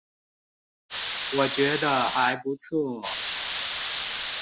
我覺得還不錯